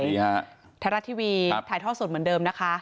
นี่ฮะธรรท์ทีวีครับถ่ายท่อส่วนเหมือนเดิมนะคะ